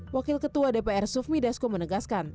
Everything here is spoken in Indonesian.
wakil ketua dpr sufmi desko menegaskan